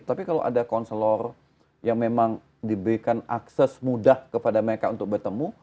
tapi kalau ada konselor yang memang diberikan akses mudah kepada mereka untuk bertemu